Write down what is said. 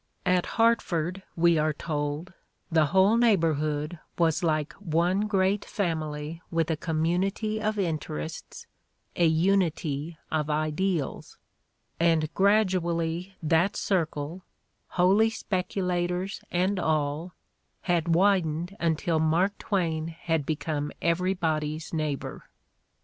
At Hartford, we are told, the whole neigh borhood was "like one great family with a community of interests, a unity of ideals, '' and gradually that cir cle, "Holy Speculators" and all, had widened until Mark Twain had become everybody's neighbor.